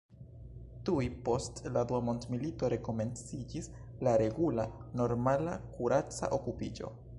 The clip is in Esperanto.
Tuj post la Dua Mondmilito, rekomenciĝis la regula, normala kuraca okupiĝo.